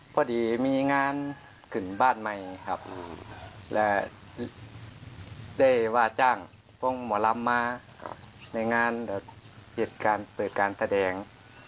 ปฏิบัติจ้างพรวมหมวรมมาในงานเกิดเปิดการแสดง